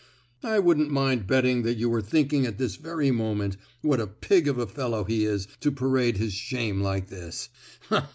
"I wouldn't mind betting that you are thinking at this very moment: 'What a pig of a fellow he is to parade his shame like this!